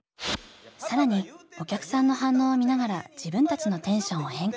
更にお客さんの反応を見ながら自分たちのテンションを変化。